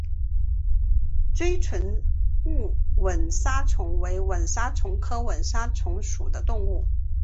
锥唇吻沙蚕为吻沙蚕科吻沙蚕属的动物。